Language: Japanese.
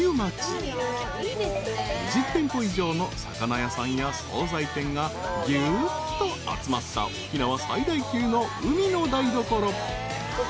［２０店舗以上の魚屋さんや総菜店がぎゅっと集まった沖縄最大級の海の台所］